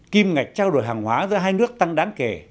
kim ngạch trao đổi hàng hóa giữa hai nước tăng đáng kể